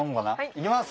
行きます！